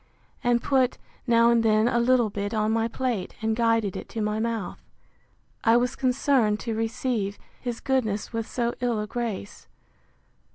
and put, now and then, a little bit on my plate, and guided it to my mouth. I was concerned to receive his goodness with so ill a grace.